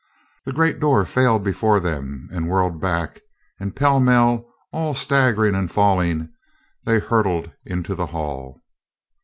The great door failed before them and whirled back, and pell mell, all staggering and falling, they hurtled into the hall.